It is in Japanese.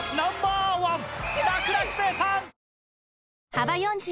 幅４０